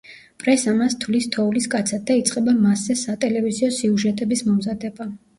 პრესა მას თვლის თოვლის კაცად და იწყება მასზე სატელევიზიო სიუჟეტების მომზადება.